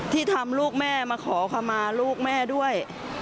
ที่ทำลูกแม่มาขอคำมาลูกแม่ด้วย